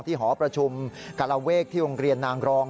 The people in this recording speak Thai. หอประชุมกรเวกที่โรงเรียนนางรอง